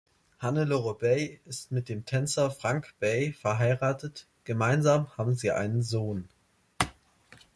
Hannelore Bey ist mit dem Tänzer Frank Bey verheiratet, gemeinsam haben sie einen Sohn.